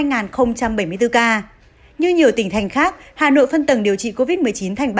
như nhiều tỉnh thành khác hà nội phân tầng điều trị covid một mươi chín thành ba